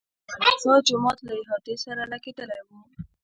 او الاقصی جومات له احاطې سره لګېدلی و.